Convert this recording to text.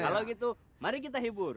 kalau gitu mari kita hibur